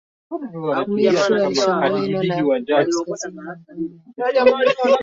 Misri walishambulia eneo la Afrika ya Kaskazini Mwanzoni hawakufaulu